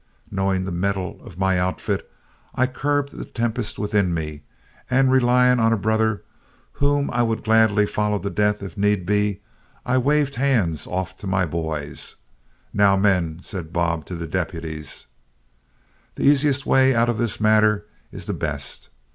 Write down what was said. Knowing the metal of my outfit, I curbed the tempest within me, and relying on a brother whom I would gladly follow to death if need be, I waved hands off to my boys. "Now, men," said Bob to the deputies, "the easiest way out of this matter is the best.